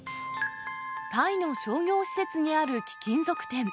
タイの商業施設にある貴金属店。